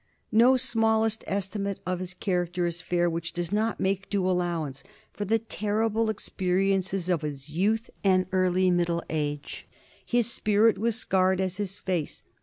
No smallest estimate of his character is fair which does not make due allowance for the terrible experiences of his youth and early middle age. His spirit was as scarred as his face.